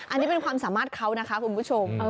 อันนี้เป็นความสามารถเขานะคะคุณผู้ชม